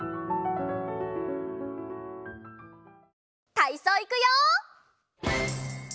たいそういくよ！